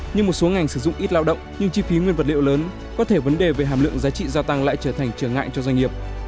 nhưng một số ngành sử dụng ít lao động nhưng chi phí nguyên vật liệu lớn có thể vấn đề về hàm lượng giá trị gia tăng lại trở thành trở ngại cho doanh nghiệp